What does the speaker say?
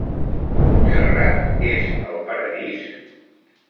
Montserrat és el paradís?